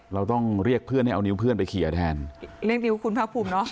เราต้องเรียกเพื่อนให้เอานิ้วเพื่อนไปเคลียร์แทนเรียกนิ้วคุณภาคภูมิเนอะ